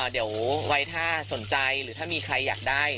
เดี๋ยวไว้ถ้าสนใจหรือถ้ามีใครอยากได้